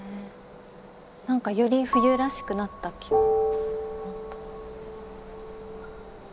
何かより冬らしくなった気が。